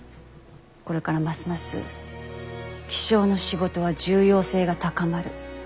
これからますます気象の仕事は重要性が高まる。